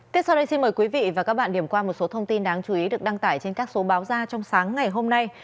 tiếp sau đây xin mời quý vị và các bạn điểm qua một số thông tin đáng chú ý được đăng tải trên các số báo ra trong sáng ngày hôm nay